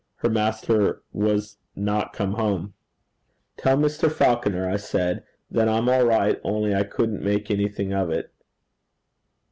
Her master was not come home. 'Tell Mr. Falconer,' I said, 'that I'm all right, only I couldn't make anything of it.'